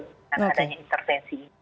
karena adanya intervensi